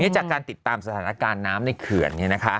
จากการติดตามสถานการณ์น้ำในเขื่อน